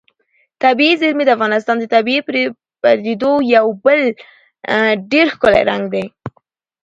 طبیعي زیرمې د افغانستان د طبیعي پدیدو یو بل ډېر ښکلی رنګ دی.